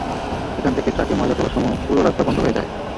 এখান থেকে ট্রাকে ময়লা তোলার সময় পুরো রাস্তা বন্ধ হয়ে যায়।